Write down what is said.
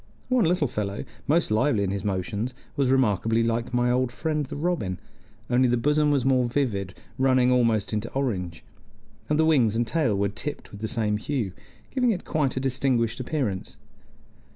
One little fellow, most lively in his motions, was remarkably like my old friend the robin, only the bosom was more vivid, running almost into orange, and the wings and tail were tipped with the same hue, giving it quite a distinguished appearance.